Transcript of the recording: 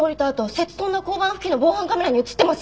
摂津富田交番付近の防犯カメラに映ってます！